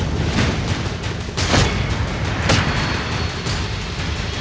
ฟอยล์จะไม่ให้ใครได้ใช้มันดิ